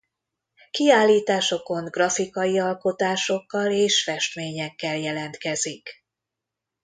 Kiállításokon grafikai alkotásokkal és festményekkel jelentkezik.